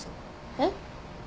えっ！？